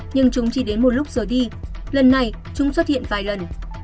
nhưng chúng chỉ đến một lúc giờ đi lần này chúng xuất hiện vài lần